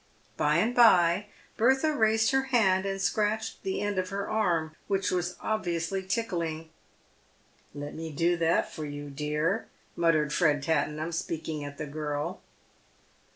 By and by Bertha raised her hand and scratched the end of her arm, which was obviously tickling. " Let me do that for you, dear," muttered Fred Tattenham, speak ing at the girl.